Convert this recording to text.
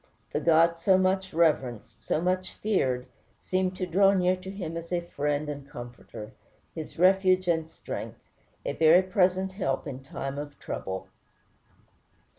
The God so much reverenced, so much feared, seemed to draw near to him as a friend and comforter, his refuge and strength, "a very present help in time of trouble."